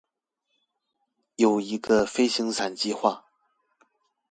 有一個飛行傘計畫